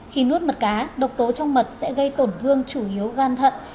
khi nuốt mật cá độc tố trong mật sẽ gây tổn thương chủ yếu gan thận